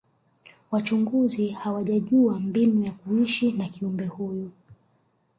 wachunguzi hawajajua mbinu ya kuishi na kiumbe huyu